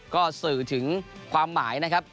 ก็สื่อถึงความหมายนะครับ